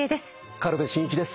軽部真一です。